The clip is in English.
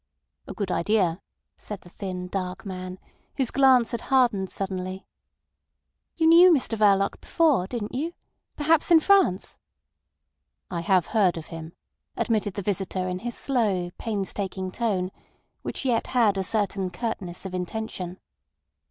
"A good idea," said the thin, dark man, whose glance had hardened suddenly. "You knew Mr Verloc before—didn't you? Perhaps in France?" "I have heard of him," admitted the visitor in his slow, painstaking tone, which yet had a certain curtness of intention.